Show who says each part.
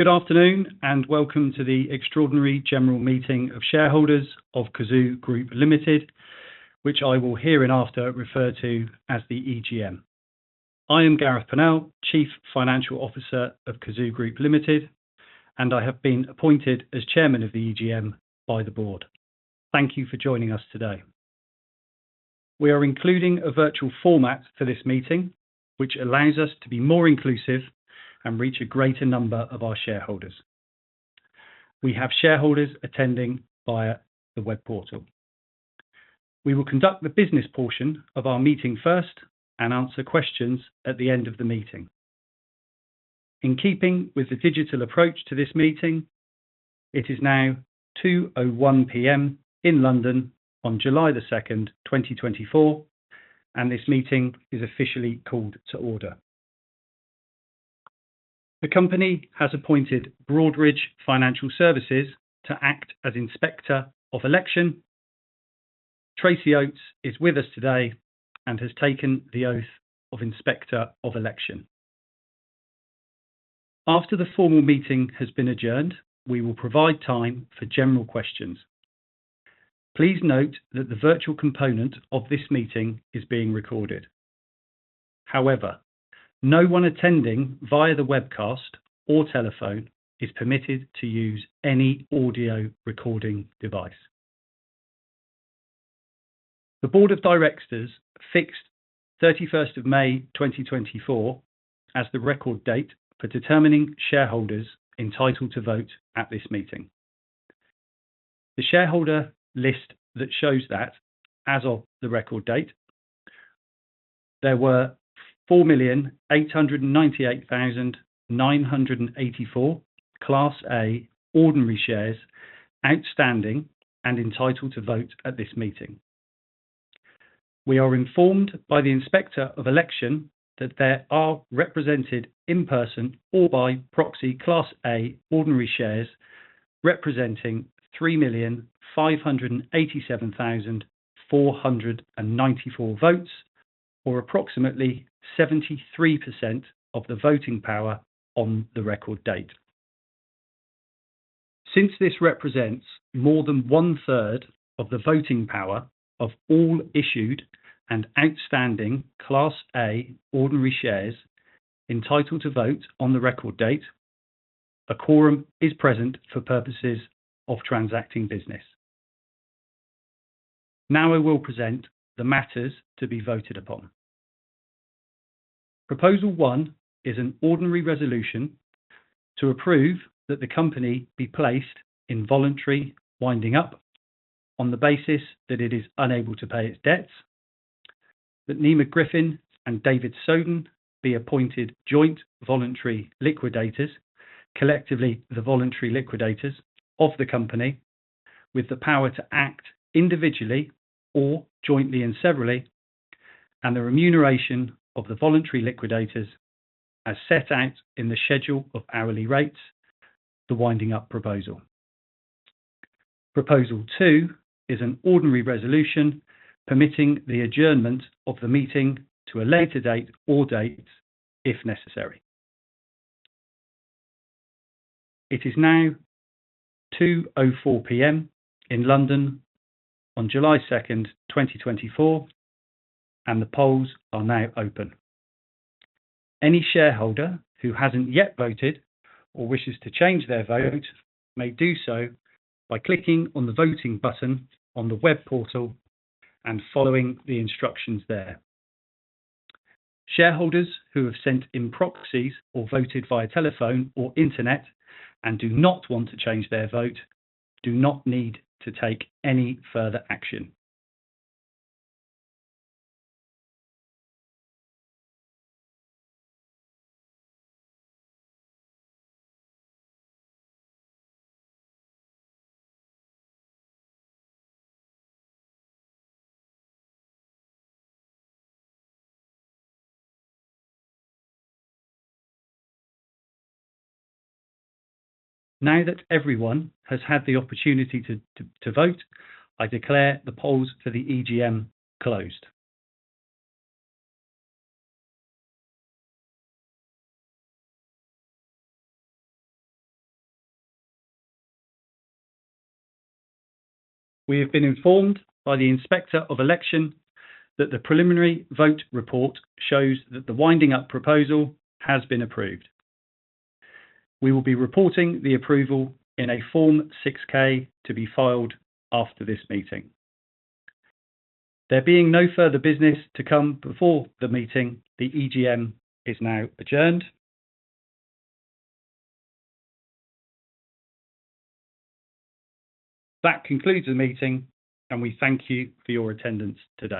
Speaker 1: Good afternoon, and welcome to the Extraordinary General Meeting of Shareholders of Cazoo Group Ltd, which I will hereinafter refer to as the EGM. I am Gareth Purnell, Chief Financial Officer of Cazoo Group Ltd, and I have been appointed as chairman of the EGM by the board. Thank you for joining us today. We are including a virtual format for this meeting, which allows us to be more inclusive and reach a greater number of our shareholders. We have shareholders attending via the web portal. We will conduct the business portion of our meeting first and answer questions at the end of the meeting. In keeping with the digital approach to this meeting, it is now 2:01 P.M. in London on July the second, twenty twenty-four, and this meeting is officially called to order. The company has appointed Broadridge Financial Solutions to act as Inspector of Election. Tracey Oates is with us today and has taken the oath of Inspector of Election. After the formal meeting has been adjourned, we will provide time for general questions. Please note that the virtual component of this meeting is being recorded. However, no one attending via the webcast or telephone is permitted to use any audio recording device. The board of directors fixed 31st of May, 2024, as the record date for determining shareholders entitled to vote at this meeting. The shareholder list that shows that as of the record date, there were 4,898,984 Class A ordinary shares outstanding and entitled to vote at this meeting. We are informed by the Inspector of Election that there are represented in person or by proxy, Class A ordinary shares, representing 3,587,494 votes, or approximately 73% of the voting power on the record date. Since this represents more than one-third of the voting power of all issued and outstanding Class A ordinary shares entitled to vote on the record date, a quorum is present for purposes of transacting business. Now, I will present the matters to be voted upon. Proposal one is an ordinary resolution to approve that the company be placed in voluntary winding up on the basis that it is unable to pay its debts, that Neema Griffin and David Soden be appointed joint voluntary liquidators, collectively, the voluntary liquidators of the company, with the power to act individually or jointly and severally, and the remuneration of the voluntary liquidators as set out in the schedule of hourly rates, the winding-up proposal. Proposal two is an ordinary resolution permitting the adjournment of the meeting to a later date or date, if necessary. It is now 2:04 P.M. in London on July second, twenty twenty-four, and the polls are now open. Any shareholder who hasn't yet voted or wishes to change their vote may do so by clicking on the voting button on the web portal and following the instructions there. Shareholders who have sent in proxies or voted via telephone or internet and do not want to change their vote, do not need to take any further action. Now that everyone has had the opportunity to vote, I declare the polls for the EGM closed. We have been informed by the Inspector of Election that the preliminary vote report shows that the winding-up proposal has been approved. We will be reporting the approval in a Form 6-K to be filed after this meeting. There being no further business to come before the meeting, the EGM is now adjourned. That concludes the meeting, and we thank you for your attendance today.